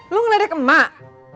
lu ngeladak ke mak